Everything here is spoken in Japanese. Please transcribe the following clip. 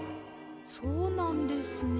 そうなんですね。